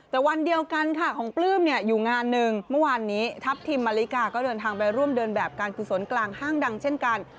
แต่วันเดียวกันค่ะของปลื้มเนี่ยอยู่งานหนึ่งเมื่อวานนี้ทัพทิมมาริกาก็เดินทางไปร่วมเดินแบบการกุศลกลางห้างดังเช่นกัน